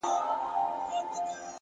هره لاسته راوړنه له ژمنتیا پیاوړې کېږي,